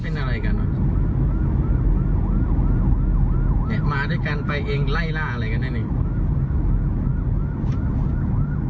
นี่มาด้วยกันไปเองไล่ล่าอะไรกันนะอีก